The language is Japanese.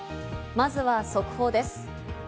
まずは速報です。